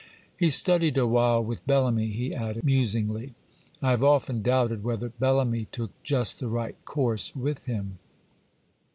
He studied awhile with Bellamy,' he added, musingly; 'I have often doubted whether Bellamy took just the right course with him.